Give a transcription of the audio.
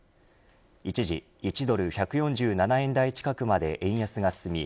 一時１ドル１４７円台近くまで円安が進み